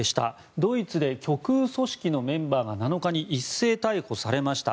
ドイツで極右組織のメンバーが７日に一斉逮捕されました。